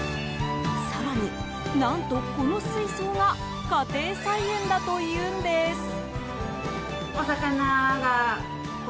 更に、何とこの水槽が家庭菜園だというんです。